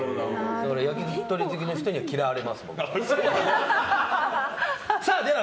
だから焼き鳥好きな人には嫌われます、僕は。